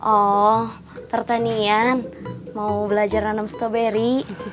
oh pertanian mau belajar nanam stroberi